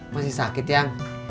masih sakit yang